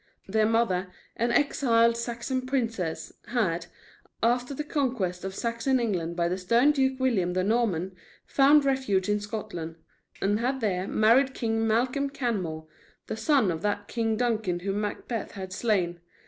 Their mother, an exiled Saxon princess, had, after the conquest of Saxon England by the stern Duke William the Norman, found refuge in Scotland, and had there married King Malcolm Canmore, the son of that King Duncan whom Macbeth had slain.